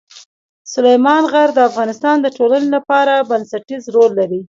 سلیمان غر د افغانستان د ټولنې لپاره بنسټيز رول لري.